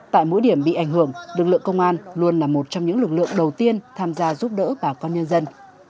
tại mỗi điểm bị ảnh hưởng lực lượng công an luôn là một trong những lực lượng đầu tiên tham gia giúp đỡ bà con nhân dân